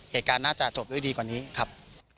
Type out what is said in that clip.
เหตุการณ์น่าจะจบด้วยดีกว่านี้ครับ